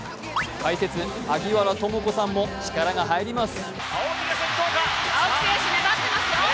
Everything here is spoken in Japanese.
解説・萩原智子さんも力が入ります。